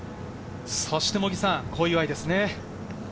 そして小祝です。